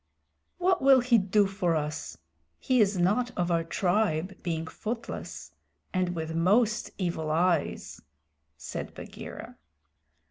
"What will he do for us? He is not of our tribe, being footless and with most evil eyes," said Bagheera.